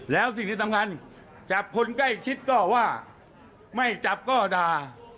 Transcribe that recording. แล้วสิ่งที่สำคัญจับคนใกล้ชิดก็ว่าไม่จับก็ด่า